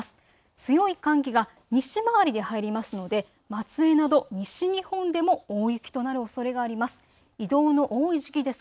強い寒気が西回りで入りますので松江など西日本でも大雪となるおそれがあります。